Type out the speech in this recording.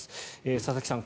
佐々木さん